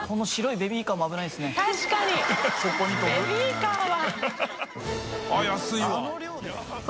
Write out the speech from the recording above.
ベビーカーは。